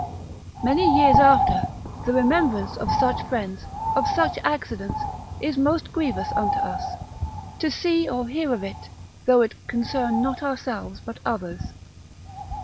Many years after, the remembrance of such friends, of such accidents, is most grievous unto us, to see or hear of it, though it concern not ourselves but others.